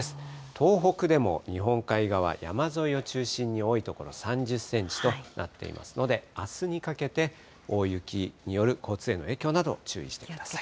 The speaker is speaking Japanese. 東北でも日本海側、山沿いを中心に多い所３０センチとなっていますので、あすにかけて、大雪による交通への影響など、注意してください。